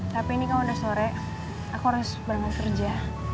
tapi ini kamu udah sore aku harus berenang kerja